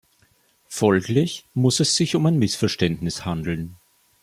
Folglich muss es sich um ein Missverständnis handeln.